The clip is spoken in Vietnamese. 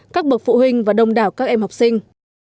các bậc phụ huynh và đông đảo các em học sinh